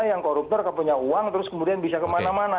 yang koruptor punya uang terus kemudian bisa kemana mana